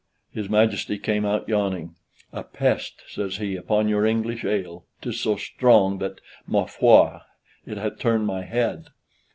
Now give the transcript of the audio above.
His Majesty came out yawning: "A pest," says he, "upon your English ale, 'tis so strong that, ma foi, it hath turned my head."